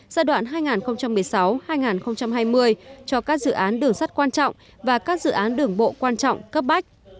giai đoạn hai nghìn một mươi sáu hai nghìn hai mươi cho các dự án đường sắt quan trọng và các dự án đường bộ quan trọng cấp bách